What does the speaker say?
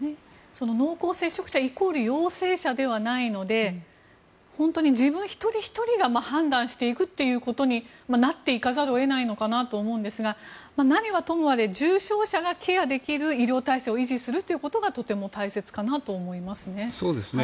その濃厚接触者イコール陽性者ではないので一人ひとりが判断することになっていかざるを得ないのかなと思うんですが何はともあれ重症者をケアできる医療体制を維持するということがとても大切かなと思いますね。